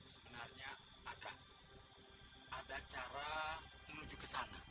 sebenarnya ada ada cara menuju kesana